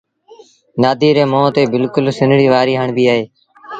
نآديٚ ري مݩهݩ تي بلڪُل سنڙيٚ وآريٚ هڻبيٚ اهي۔